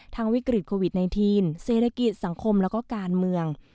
วิกฤตโควิด๑๙เศรษฐกิจสังคมแล้วก็การเมือง